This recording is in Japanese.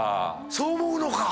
そう思うのか！